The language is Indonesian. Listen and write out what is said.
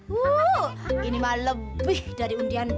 wuuu ini mah lebih dari undian be